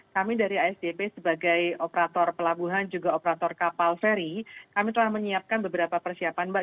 kami dari asdp sebagai operator pelabuhan juga operator kapal feri kami telah menyiapkan beberapa persiapan mbak